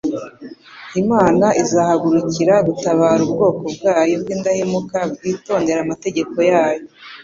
lmana izahagurukira gutabara ubwoko bwayo bw'indahemuka bwitondera amategeko yayo.